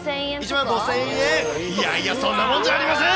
１万５０００円、いやいや、そんなもんじゃありません。